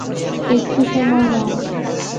একটু সময় নাও।